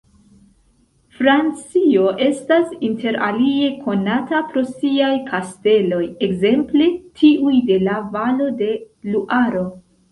Francio estas interalie konata pro siaj kasteloj, ekzemple tiuj de la valo de Luaro.